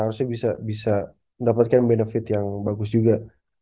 harusnya bisa mendapatkan benefit yang bagus juga